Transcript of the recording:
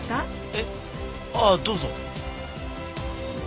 えっああどうぞ。